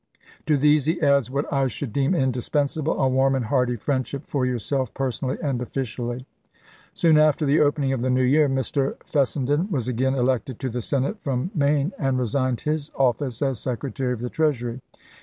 To these he adds — what I should LiScoi*?, deem indispensable — a warm and hearty friendship m's. ' for yourself, personally and officially." Soon after the opening of the new year Mr. Fes senden was again elected to the Senate from Maine, and resigned his office as Secretary of the Treas ury.